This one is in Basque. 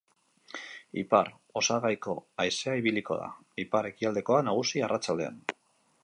Ipar-osagaiko haizea ibiliko da, ipar-ekialdekoa nagusi arratsaldean.